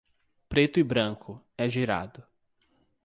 Preto e branco, é girado.